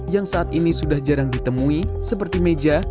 yang saat ini sudah jarang ditemui seperti meja